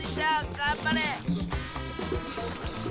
がんばれ！